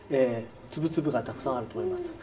粒々がたくさんあると思います。